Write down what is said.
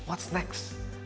apa yang berikutnya